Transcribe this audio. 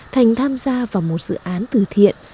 thành tham gia vào một dự án từ thiện